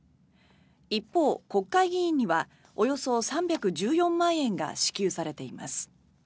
一方、国会議員にはおよそ３１４万円が支給されています。